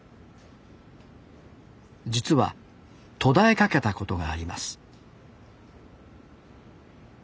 実は途絶えかけたことがあります